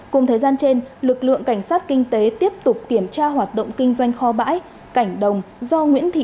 cùng thời gian trên lực lượng cảnh sát kinh tế tiếp tục kiểm tra hoạt động kinh doanh kho bãi cảnh đồng